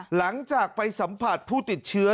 หลังจากไปสัมผัสผู้ติดเชื้อ